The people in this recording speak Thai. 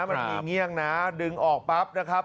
มันมีเงี่ยงนะดึงออกปั๊บนะครับ